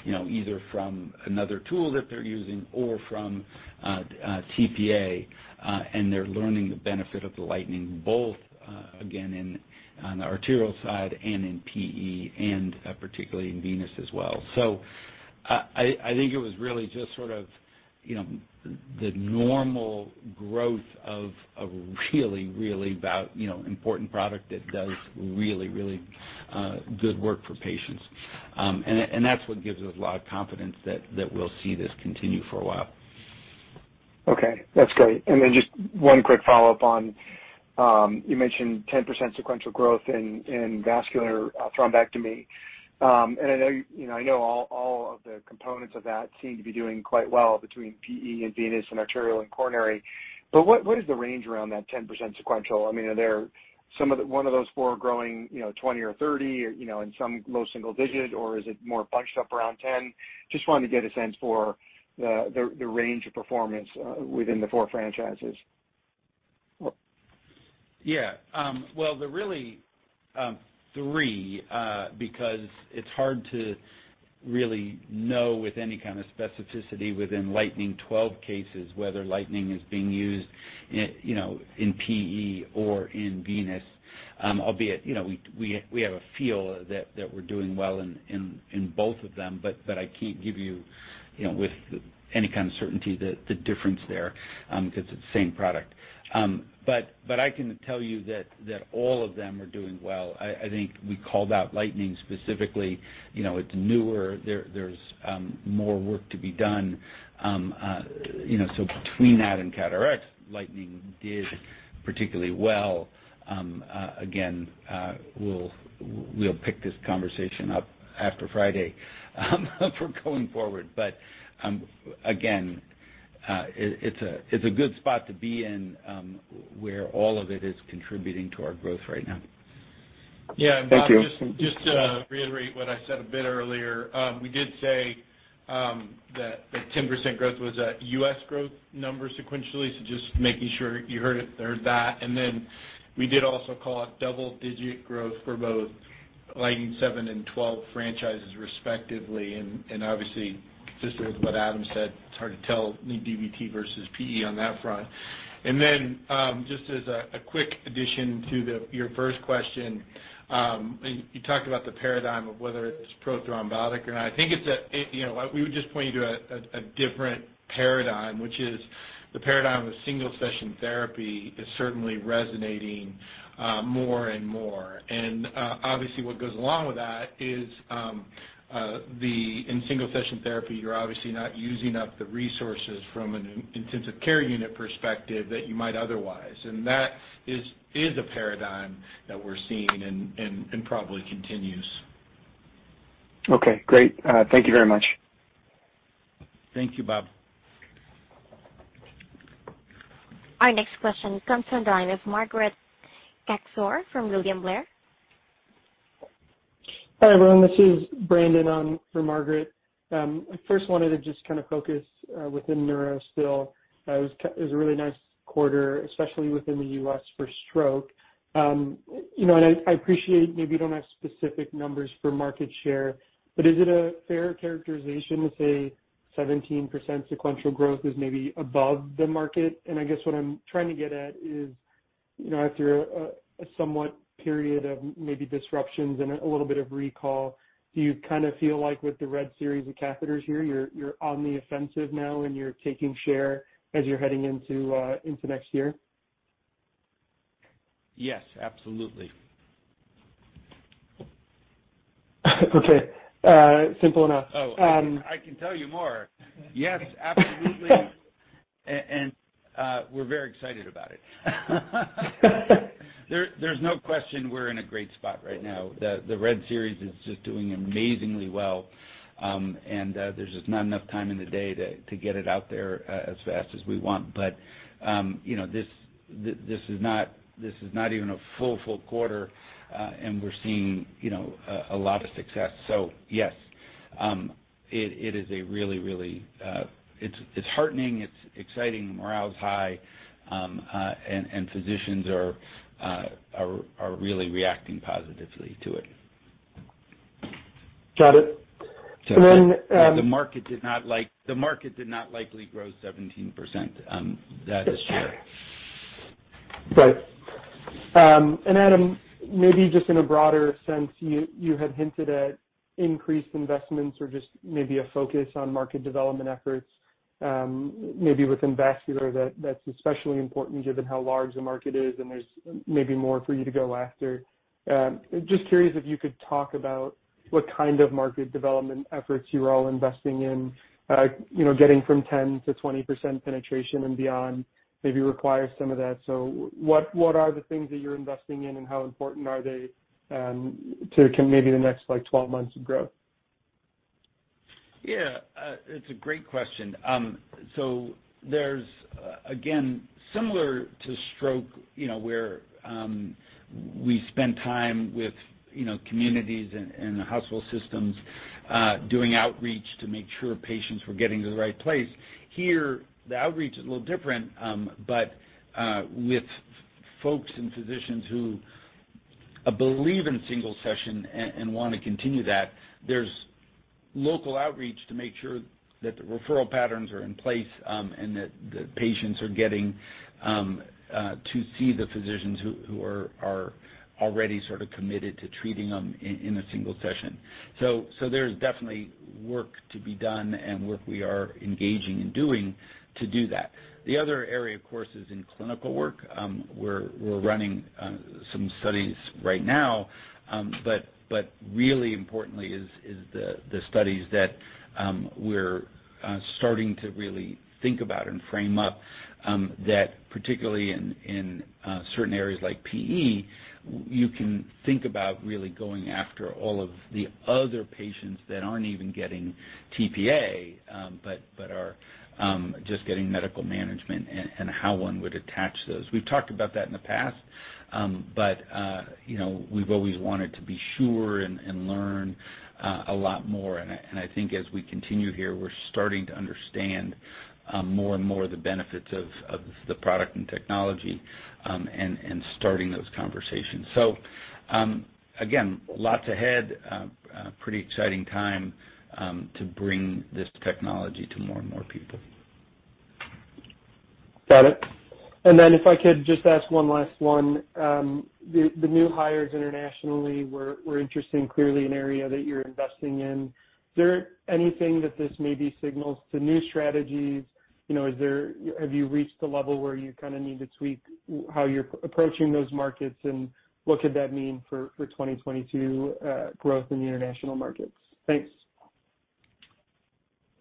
[SPEAKER 3] you know, either from another tool that they're using or from TPA, and they're learning the benefit of the Lightning both, again, on the arterial side and in PE and particularly in venous as well. I think it was really just sort of, you know, the normal growth of a really important product that does really good work for patients, and that's what gives us a lot of confidence that we'll see this continue for a while.
[SPEAKER 9] Okay. That's great. Just one quick follow-up on, you mentioned 10% sequential growth in vascular thrombectomy. I know all of the components of that seem to be doing quite well between PE and venous and arterial and coronary, but what is the range around that 10% sequential? I mean, are there one of those four growing, you know, 20% or 30% or, you know, and some low single digit or is it more bunched up around 10%? Just wanted to get a sense for the range of performance within the four franchises.
[SPEAKER 3] Yeah. Well, they're really three, because it's hard to really know with any kind of specificity within Lightning 12 cases whether Lightning is being used in PE or in venous. Albeit, you know, we have a feel that we're doing well in both of them, but I can't give you, you know, with any kind of certainty the difference there, because it's the same product. But I can tell you that all of them are doing well. I think we called out Lightning specifically. You know, it's newer. There's more work to be done. You know, so between that and CAT RX, Lightning did particularly well. Again, we'll pick this conversation up after Friday going forward. Again, it's a good spot to be in, where all of it is contributing to our growth right now.
[SPEAKER 9] Thank you.
[SPEAKER 5] Yeah. Bob, just to reiterate what I said a bit earlier. We did say that 10% growth was a U.S. growth number sequentially. Just making sure you heard that. Then we did also call out double-digit growth for both Lightning 7 and 12 franchises respectively. Obviously, consistent with what Adam said, it's hard to tell, i.e., DVT versus PE on that front. Then just as a quick addition to your first question, and you talked about the paradigm of whether it's prothrombotic or not. I think it's, you know, we would just point you to a different paradigm, which is the paradigm of single session therapy is certainly resonating more and more. Obviously what goes along with that is, the single session therapy, you're obviously not using up the resources from an intensive care unit perspective that you might otherwise. That is a paradigm that we're seeing and probably continues.
[SPEAKER 9] Okay, great. Thank you very much.
[SPEAKER 3] Thank you, Bob.
[SPEAKER 1] Our next question comes from the line of Margaret Kaczor from William Blair.
[SPEAKER 10] Hi, everyone. This is Brandon on for Margaret. I first wanted to just kind of focus within neuro still. It was a really nice quarter, especially within the U.S. for stroke. You know, I appreciate maybe you don't have specific numbers for market share, but is it a fair characterization to say 17% sequential growth is maybe above the market? I guess what I'm trying to get at is, you know, after a somewhat period of maybe disruptions and a little bit of recall, do you kind of feel like with the RED series of catheters here, you're on the offensive now and you're taking share as you're heading into next year?
[SPEAKER 3] Yes, absolutely.
[SPEAKER 10] Okay. Simple enough.
[SPEAKER 3] Oh, I can tell you more. Yes, absolutely. We're very excited about it. There's no question we're in a great spot right now. The RED series is just doing amazingly well, and there's just not enough time in the day to get it out there as fast as we want. You know, this is not even a full quarter, and we're seeing, you know, a lot of success. Yes, it is really heartening, it's exciting, morale is high, and physicians are really reacting positively to it.
[SPEAKER 10] Got it.
[SPEAKER 3] The market did not likely grow 17%, that is right.
[SPEAKER 10] Right. Adam, maybe just in a broader sense, you had hinted at increased investments or just maybe a focus on market development efforts, maybe within vascular. That's especially important given how large the market is, and there's maybe more for you to go after. Just curious if you could talk about what kind of market development efforts you're all investing in. You know, getting from 10% to 20% penetration and beyond maybe requires some of that. What are the things that you're investing in and how important are they to maybe the next, like, 12 months of growth?
[SPEAKER 3] Yeah. It's a great question. So there's, again, similar to stroke, you know, where we spend time with, you know, communities and the hospital systems, doing outreach to make sure patients were getting to the right place. Here, the outreach is a little different, but with folks and physicians who believe in single session and wanna continue that, there's local outreach to make sure that the referral patterns are in place, and that the patients are getting to see the physicians who are already sort of committed to treating them in a single session. There's definitely work to be done and work we are engaging and doing to do that. The other area, of course, is in clinical work. We're running some studies right now, but really importantly is the studies that we're starting to really think about and frame up, that particularly in certain areas like PE, you can think about really going after all of the other patients that aren't even getting TPA, but are just getting medical management and how one would attach those. We've talked about that in the past, but you know, we've always wanted to be sure and learn a lot more. I think as we continue here, we're starting to understand more and more the benefits of the product and technology and starting those conversations. Again, lots ahead, pretty exciting time to bring this technology to more and more people.
[SPEAKER 10] Got it. If I could just ask one last one. The new hires internationally were interesting, clearly an area that you're investing in. Is there anything that this maybe signals to new strategies? You know, have you reached a level where you kind of need to tweak how you're approaching those markets, and what could that mean for 2022 growth in the international markets? Thanks.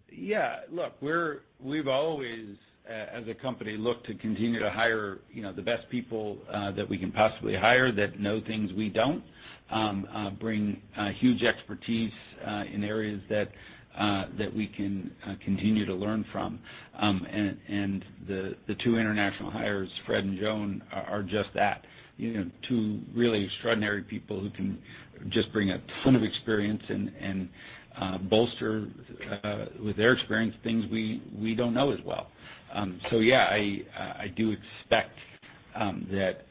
[SPEAKER 3] Yeah. Look, we've always, as a company, looked to continue to hire, you know, the best people that we can possibly hire that know things we don't bring huge expertise in areas that we can continue to learn from. And the two international hires, Fred and Joan, are just that. You know, two really extraordinary people who can just bring a ton of experience and bolster with their experience things we don't know as well. I do expect that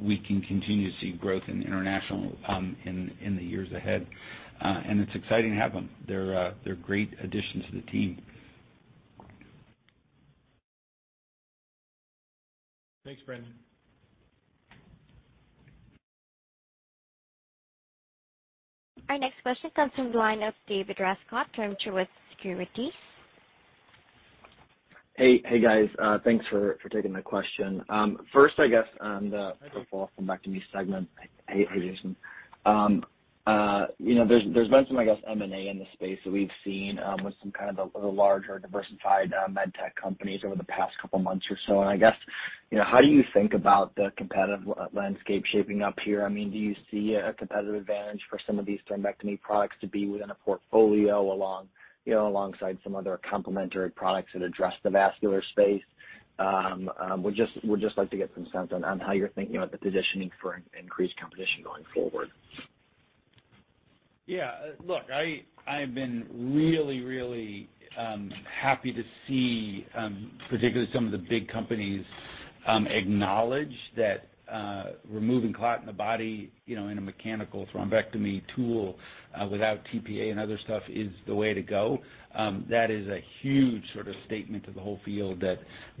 [SPEAKER 3] we can continue to see growth in international in the years ahead. It's exciting to have them. They're great additions to the team. Thanks, Brandon.
[SPEAKER 1] Our next question comes from the line of David Rescott from Truist Securities.
[SPEAKER 11] Hey. Hey, guys. Thanks for taking my question. First, I guess, on the.
[SPEAKER 5] Hi, David.
[SPEAKER 11] Peripheral thrombectomy segment. Hey, Jason. You know, there's been some M&A in the space that we've seen with some of the larger diversified med tech companies over the past couple months or so. I guess, you know, how do you think about the competitive landscape shaping up here? I mean, do you see a competitive advantage for some of these thrombectomy products to be within a portfolio alongside some other complementary products that address the vascular space? I would just like to get some sense on how you're thinking about the positioning for increased competition going forward.
[SPEAKER 3] Yeah. Look, I've been really happy to see, particularly some of the big companies, acknowledge that, removing clot in the body, you know, in a mechanical thrombectomy tool, without TPA and other stuff is the way to go. That is a huge sort of statement to the whole field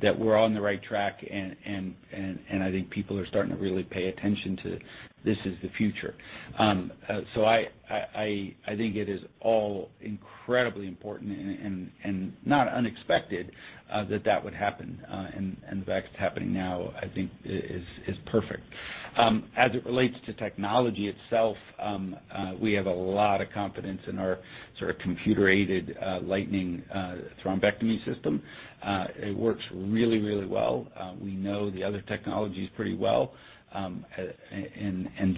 [SPEAKER 3] that we're on the right track and I think people are starting to really pay attention to this is the future. I think it is all incredibly important and not unexpected, that would happen. The fact it's happening now, I think is perfect. As it relates to technology itself, we have a lot of confidence in our sort of computer-aided Lightning Thrombectomy System. It works really well. We know the other technologies pretty well.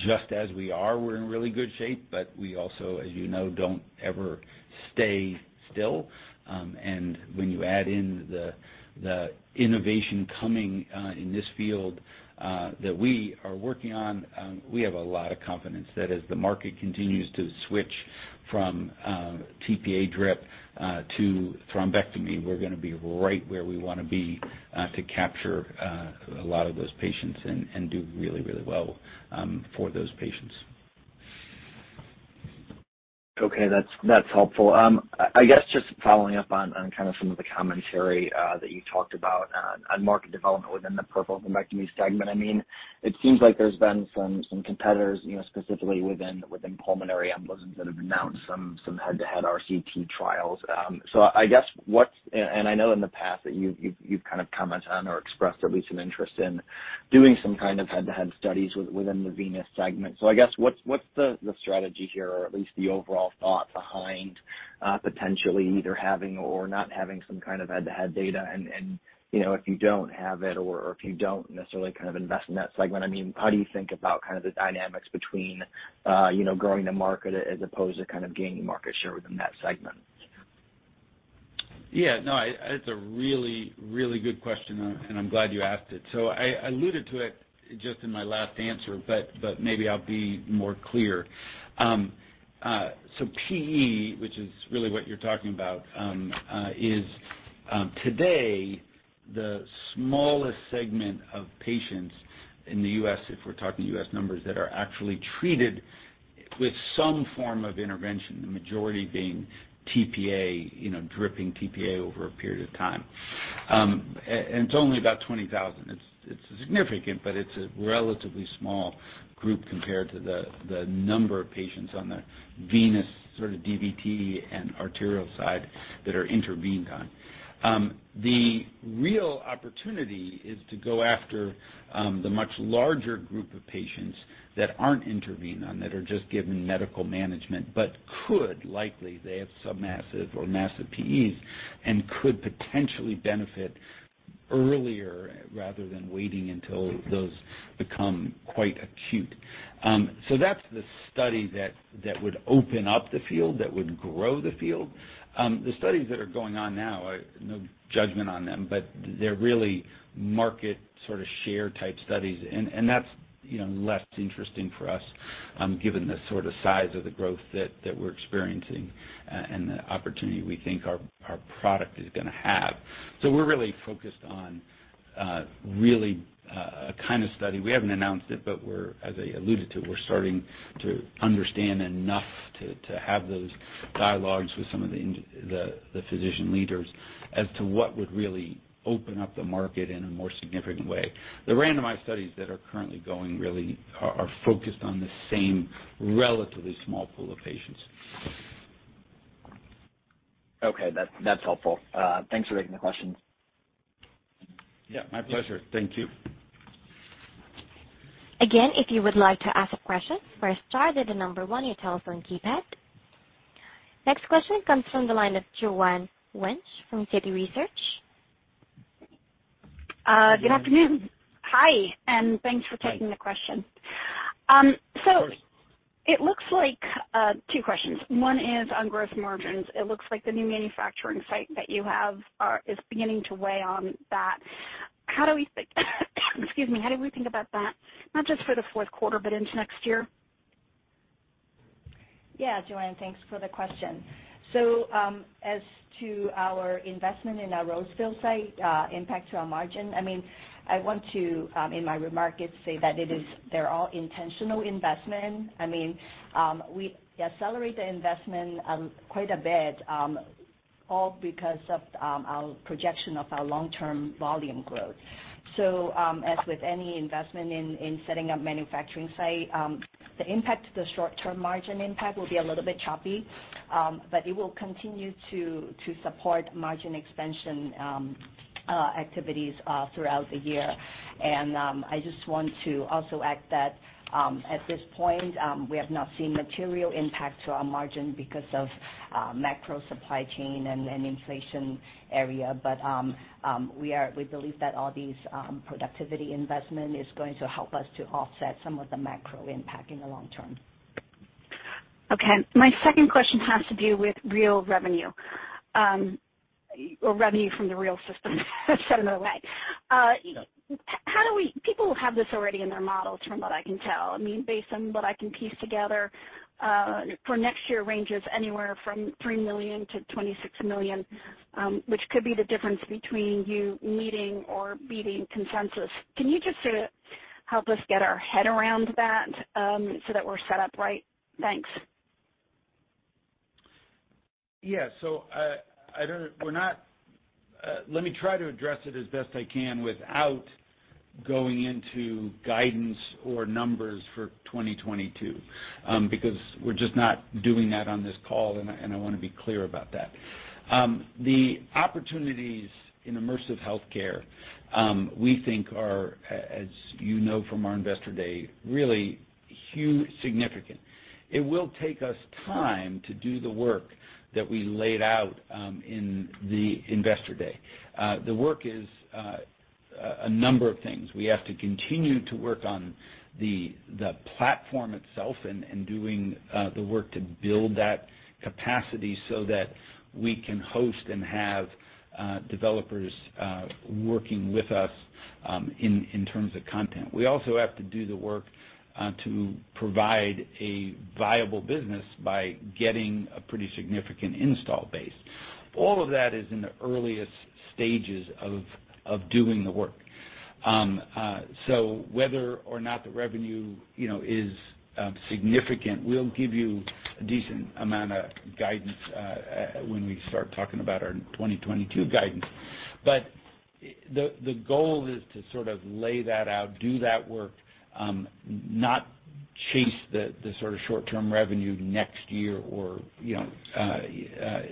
[SPEAKER 3] Just as we are, we're in really good shape, but we also, as you know, don't ever stay still. When you add in the innovation coming in this field that we are working on, we have a lot of confidence that as the market continues to switch from TPA drip to thrombectomy, we're gonna be right where we wanna be to capture a lot of those patients and do really, really well for those patients.
[SPEAKER 11] Okay. That's helpful. I guess just following up on kinda some of the commentary that you talked about on market development within the peripheral thrombectomy segment. I mean, it seems like there's been some competitors, you know, specifically within pulmonary embolisms that have announced some head-to-head RCT trials. I know in the past that you've kind of commented on or expressed at least an interest in doing some kind of head-to-head studies within the venous segment, I guess what's the strategy here or at least the overall thought behind potentially either having or not having some kind of head-to-head data? You know, if you don't have it or if you don't necessarily kind of invest in that segment, I mean, how do you think about kind of the dynamics between, you know, growing the market as opposed to kind of gaining market share within that segment?
[SPEAKER 3] Yeah, no, it's a really, really good question, and I'm glad you asked it. I alluded to it just in my last answer, but maybe I'll be more clear. PE, which is really what you're talking about, is today the smallest segment of patients in the U.S., if we're talking U.S. numbers, that are actually treated with some form of intervention, the majority being TPA, you know, dripping TPA over a period of time. And it's only about 20,000. It's significant, but it's a relatively small group compared to the number of patients on the venous sort of DVT and arterial side that are intervened on. The real opportunity is to go after the much larger group of patients that aren't intervened on that are just given medical management, but could likely they have submassive or massive PEs and could potentially benefit earlier rather than waiting until those become quite acute. That's the study that would open up the field, that would grow the field. The studies that are going on now, no judgment on them, but they're really market sort of share type studies, and that's, you know, less interesting for us, given the sort of size of the growth that we're experiencing, and the opportunity we think our product is gonna have. We're really focused on a kind of study, we haven't announced it, but as I alluded to, we're starting to understand enough to have those dialogues with some of the physician leaders as to what would really open up the market in a more significant way. The randomized studies that are currently going really are focused on the same relatively small pool of patients.
[SPEAKER 11] Okay. That's helpful. Thanks for taking the question.
[SPEAKER 3] Yeah, my pleasure. Thank you.
[SPEAKER 1] Again, if you'd like to ask a question, press star then the number one on your telephone keypad. Next question comes from the line of Joanne Wuensch from Citi Research.
[SPEAKER 12] Good afternoon. Hi, and thanks for taking the question.
[SPEAKER 3] Hi.
[SPEAKER 12] It looks like two questions. One is on gross margins. It looks like the new manufacturing site that you have is beginning to weigh on that. How do we think about that, not just for the fourth quarter, but into next year?
[SPEAKER 4] Yeah, Joanne, thanks for the question. So, as to our investment in our Roseville site, impact to our margin, I mean, I want to, in my remarks, say that they're all intentional investment. I mean, we accelerate the investment, quite a bit, all because of our projection of our long-term volume growth. So, as with any investment in setting up manufacturing site, the impact to the short-term margin impact will be a little bit choppy, but it will continue to support margin expansion activities throughout the year. I just want to also add that, at this point, we have not seen material impact to our margin because of macro supply chain and inflation area. We believe that all these productivity investments is going to help us to offset some of the macro impact in the long term.
[SPEAKER 12] Okay. My second question has to do with REAL revenue, or revenue from the REAL system said another way. You know, people have this already in their models from what I can tell. I mean, based on what I can piece together, for next year ranges anywhere from $3 million-$26 million, which could be the difference between you meeting or beating consensus. Can you just sort of help us get our head around that, so that we're set up right? Thanks.
[SPEAKER 3] Let me try to address it as best I can without going into guidance or numbers for 2022, because we're just not doing that on this call, and I wanna be clear about that. The opportunities in immersive healthcare, we think are, as you know from our Investor Day, really huge, significant. It will take us time to do the work that we laid out in the Investor Day. The work is a number of things. We have to continue to work on the platform itself and doing the work to build that capacity so that we can host and have developers working with us in terms of content. We also have to do the work to provide a viable business by getting a pretty significant install base. All of that is in the earliest stages of doing the work. Whether or not the revenue, you know, is significant, we'll give you a decent amount of guidance when we start talking about our 2022 guidance. The goal is to sort of lay that out, do that work, not chase the sort of short-term revenue next year or, you know,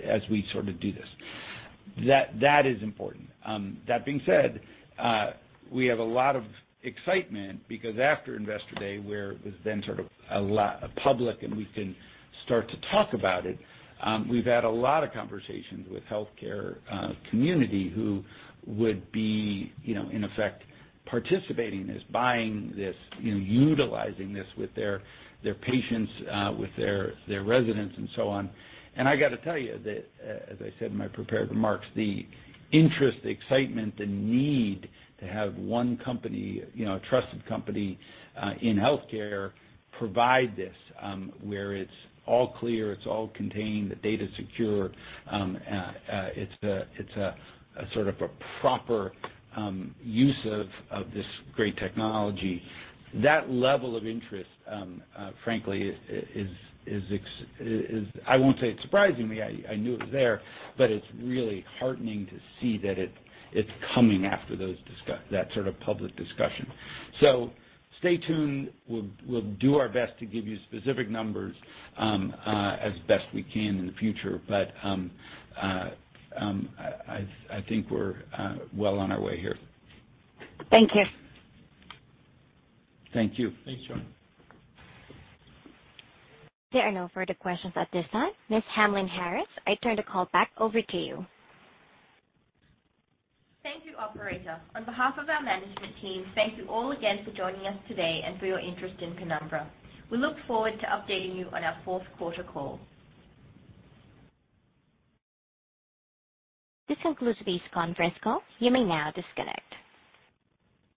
[SPEAKER 3] as we sort of do this. That is important. That being said, we have a lot of excitement because after Investor Day, where it was then sort of public and we can start to talk about it, we've had a lot of conversations with healthcare community who would be, you know, in effect, participating this, buying this, you know, utilizing this with their patients, with their residents and so on. I gotta tell you that, as I said in my prepared remarks, the interest, excitement, the need to have one company, you know, a trusted company in healthcare provide this, where it's all clear, it's all contained, the data's secure. It's a sort of a proper use of this great technology. That level of interest, frankly is, I won't say it's surprising me. I knew it was there, but it's really heartening to see that it's coming after that sort of public discussion. Stay tuned. We'll do our best to give you specific numbers as best we can in the future, but I think we're well on our way here.
[SPEAKER 12] Thank you.
[SPEAKER 3] Thank you.
[SPEAKER 5] Thanks, Joanne.
[SPEAKER 1] There are no further questions at this time. Ms. Hamlyn-Harris, I turn the call back over to you.
[SPEAKER 2] Thank you, operator. On behalf of our management team, thank you all again for joining us today and for your interest in Penumbra. We look forward to updating you on our fourth quarter call.
[SPEAKER 1] This concludes this conference call. You may now disconnect.